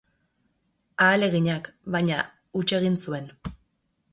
Ahaleginak, baina, huts egin zuen.